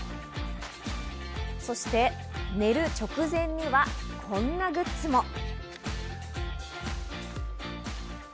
そして寝る直前にはこんなグッズも。